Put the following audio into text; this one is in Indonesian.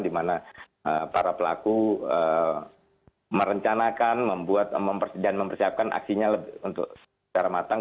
di mana para pelaku merencanakan membuat dan mempersiapkan aksinya untuk secara matang